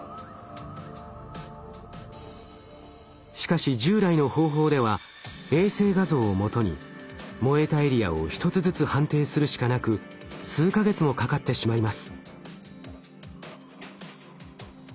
しかし従来の方法では衛星画像をもとに燃えたエリアを一つずつ判定するしかなく数か月もかかってしまいます。